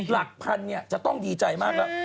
หลักพันเนี่ยจะต้องดีใจมากแล้ว